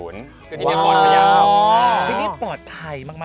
ที่นี่ปลอดภัยมาก